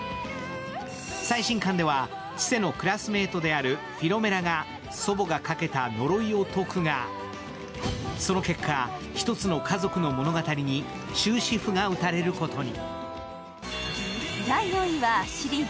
最新巻では、チセのクラスメートであるフィロメラが祖母がかけた呪いを解くがその結果、一つの家族の物語に終止符が打たれることに。